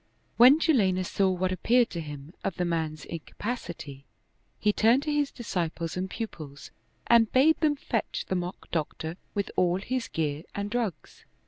When Jalinus saw what appeared to him of the man's in capacity, he turned to his disciples and pupils and bade them fetch the mock doctor, with all his gear and drugs.